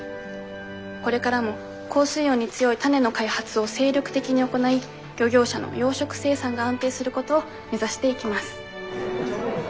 これからも高水温に強い種の開発を精力的に行い漁業者の養殖生産が安定することを目指していきます。